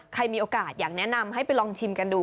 ใครมีโอกาสอยากแนะนำให้ไปลองชิมกันดู